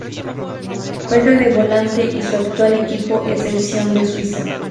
Juega de volante y su actual equipo es el Sion de Suiza.